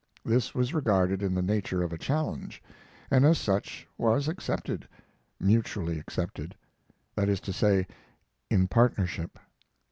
This was regarded in the nature of a challenge, and as such was accepted mutually accepted: that is to say, in partnership.